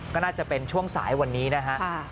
ก็น่าจะเป็นช่วงสายวันนี้นะฮะ